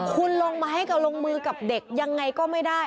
คุณลงไม้ลงมือกับเด็กยังไงก็ไม่ได้